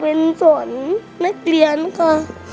เป็นส่วนนักเรียนค่ะ